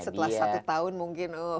setelah satu tahun mungkin